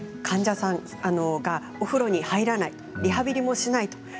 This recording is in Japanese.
患者さんがお風呂に入らないリハビリもしないと。